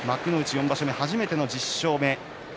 ４場所目、初めての１０勝目。